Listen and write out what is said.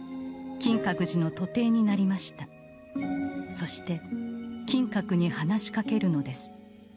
そして金閣に話しかけるのです